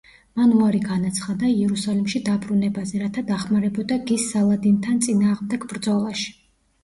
მან უარი განაცხადა იერუსალიმში დაბრუნებაზე, რათა დახმარებოდა გის სალადინთან წინააღმდეგ ბრძოლაში.